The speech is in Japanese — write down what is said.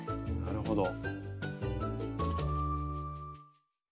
なるほど。